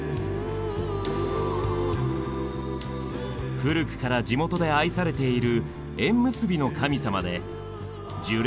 古くから地元で愛されている縁結びの神様で樹齢